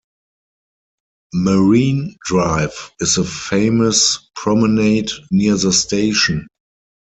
Marine Drive is the famous promenade near the station.